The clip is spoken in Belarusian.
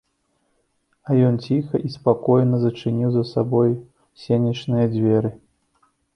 А ён ціха і спакойна зачыніў за сабою сенечныя дзверы.